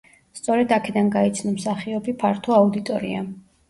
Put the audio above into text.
სწორედ აქედან გაიცნო მსახიობი ფართო აუდიტორიამ.